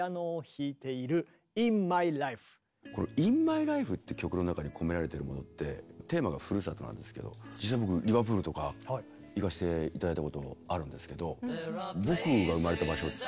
「イン・マイ・ライフ」って曲の中に込められているものってテーマがふるさとなんですけど実際僕リバプールとか行かせて頂いたこともあるんですけど。